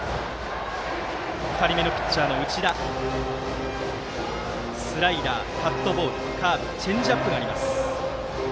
２人目のピッチャーの内田はスライダー、カットボールカーブチェンジアップがあります。